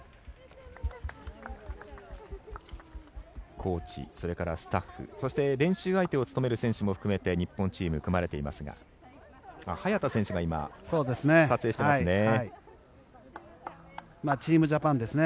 コーチ、それからスタッフそして練習相手を務める選手も含めて日本選手、組まれていますが早田選手が撮影していますね。